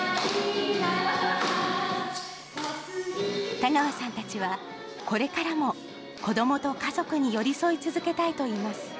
田川さんたちは、これからも子どもと家族に寄り添い続けたいといいます。